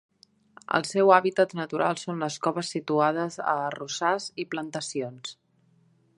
El seu hàbitat natural són les coves situades a arrossars i plantacions.